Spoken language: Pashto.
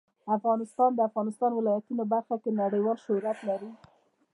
افغانستان د د افغانستان ولايتونه په برخه کې نړیوال شهرت لري.